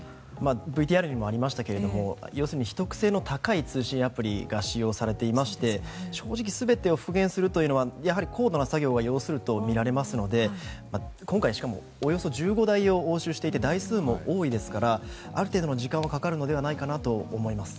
ＶＴＲにもありましたが要するに秘匿性の高い通信アプリが使用されていまして正直全てを復元するというのは高度な作業を要するとみられますので今回、しかもおよそ１５台を押収していて台数も多いですからある程度の時間はかかるのではないかなと思います。